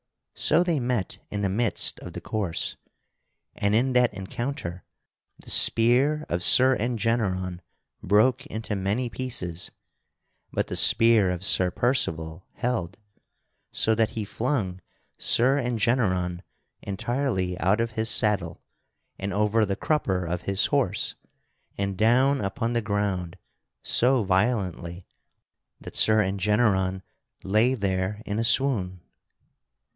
So they met in the midst of the course. And in that encounter the spear of Sir Engeneron broke into many pieces, but the spear of Sir Percival held, so that he flung Sir Engeneron entirely out of his saddle and over the crupper of his horse and down upon the ground so violently that Sir Engeneron lay there in a swoon.